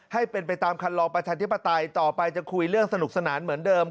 ให้เป็นไปตามคันลองประชาธิปไตยต่อไปจะคุยเรื่องสนุกสนานเหมือนเดิม